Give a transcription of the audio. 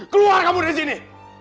keluar kamu dari sini